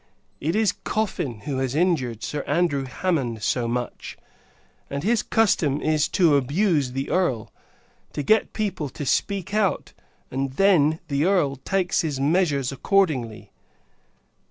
It is Coffin, who has injured Sir Andrew Hammond so much: and his custom is, to abuse the Earl, to get people to speak out; and, then, the Earl takes his measures accordingly.